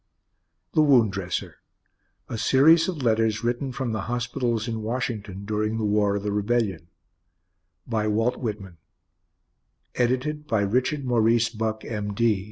BOSTON] THE WOUND DRESSER A Series of Letters Written from the Hospitals in Washington During the War of the Rebellion By WALT WHITMAN Edited by RICHARD MAURICE BUCKE, M.D.